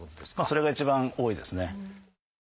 それが一番多いですね。